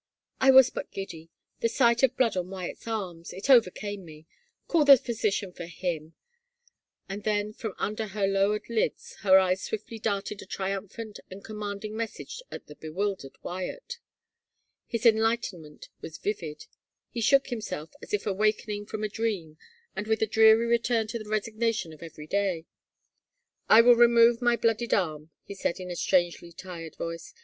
I was but g^ddy — the sight of blood on Wyatt's arms — it overcame me. Call the physician for him," and then from under her low ered lids her eyes swiftly darted a triumphant and com manding message at the bewildered Wyatt. His enlightenment was vivid. He shook himself as if 243 THE FAVOR OF KINGS awakening from a dream and with a dreary return to the resignation of everyday, " I will remove my bloodied arm," he said, in a strangely tired voice.